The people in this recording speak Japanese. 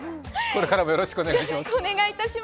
これからもよろしくお願いいたします。